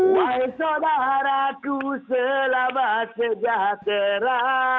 wahai saudaraku selamat sejahtera